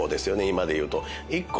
今で言うと。